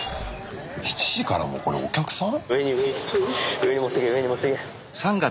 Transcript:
７時からもうこれお客さん？